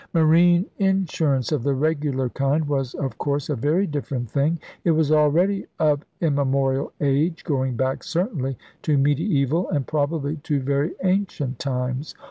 Marine insurance of the regular kind was, of course, a very different thing. It was already of immemorial age, going back certainly to mediaeval and probably to very ancient times.